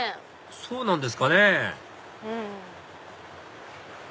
そうなんですかね